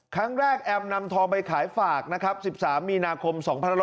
ครั้งแรกแอมนำทองไปขายฝาก๑๓มีนาคม๒๑๖๖